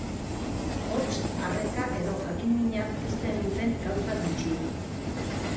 Hots, arreta edo jakin-mina pizten duten gauza gutxi.